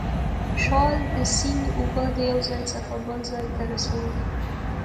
شال د سیند اوبه د یو ځای څخه بل ځای ته رسولې.